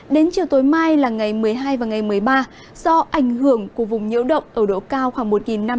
đến chiều tối mai là ngày một mươi hai và ngày một mươi ba do ảnh hưởng của vùng nhiễu động ở độ cao khoảng một năm trăm linh